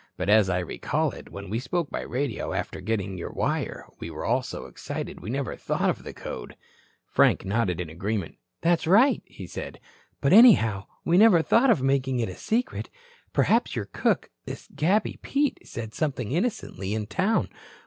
But, as I recall it, when we spoke by radio after getting your wire, we all were so excited we never thought of the code." Frank nodded agreement. "That's right," he said. "But, anyhow, we never thought of making it a secret. Perhaps your cook this Gabby Pete said something innocently in town.